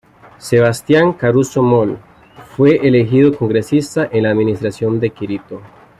Sebastian Caruso Moll fue elegido Congresista en la administración de Quirino.